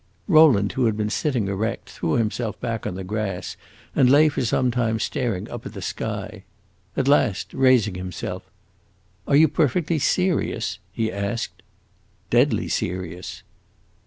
Rowland, who had been sitting erect, threw himself back on the grass and lay for some time staring up at the sky. At last, raising himself, "Are you perfectly serious?" he asked. "Deadly serious."